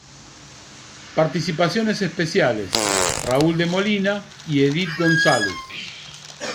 Participaciones especiales: Raul De Molina Y Edith González